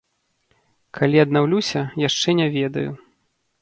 Калі аднаўлюся, яшчэ не ведаю.